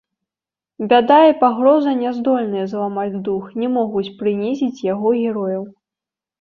Бяда і пагроза няздольныя зламаць дух, не могуць прынізіць яго герояў.